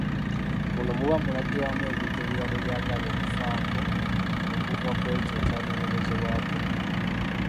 Muno muba mulagibwamu ebintu ebirala ebyagala okufaako okuva ku ekyo ekyanoonyerezebwako.